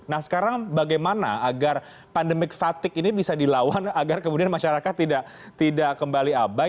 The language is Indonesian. nah sekarang bagaimana agar pandemik fatigue ini bisa dilawan agar kemudian masyarakat tidak kembali abai